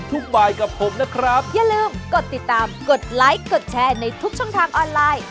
สวัสดีครับ